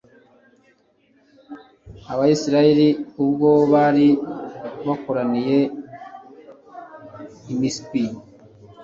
abayisraheli ubwo bari bakoraniye i misipa